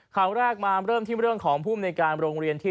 ข่าวแรกมาเริ่มที่เรื่องของภูมิในการโรงเรียนที่